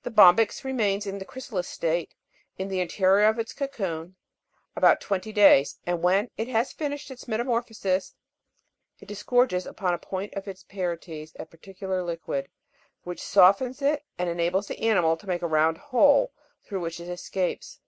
26. The bombyx remains in the chrysalis state, in the interior of its cocoon, about twenty days ; and when it has finished its metamorphosis, it disgorges upon a point of its parietes a par ticular liquid, which softens it and enables the animal to make a round hole through which it escapes.